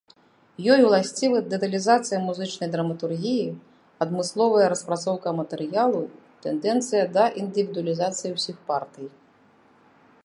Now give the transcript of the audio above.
Ёй уласцівы дэталізацыя музычнай драматургіі, адмысловая распрацоўка матэрыялу, тэндэнцыя да індывідуалізацыі ўсіх партый.